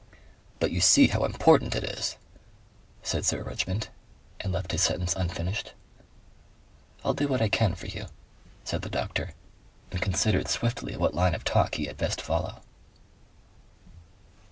"But you see how important it is," said Sir Richmond, and left his sentence unfinished. "I'll do what I can for you," said the doctor, and considered swiftly what line of talk he had best follow.